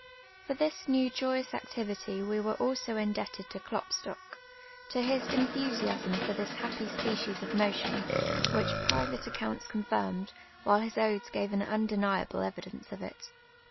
For this new joyous acti\'ity wo wore also indeljted to Klopstock, — to his entliusiaam for tliis ha|)})y s])ecies of mo tion, wliich private accounts confirmed, while his odes «:ave an inideniable evidence of it.